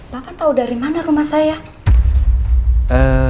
bapak tahu dari mana rumah saya